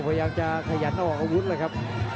พยายามจะไถ่หน้านี่ครับการต้องเตือนเลยครับ